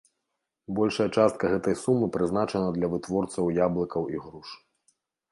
Большая частка гэтай сумы прызначана для вытворцаў яблыкаў і груш.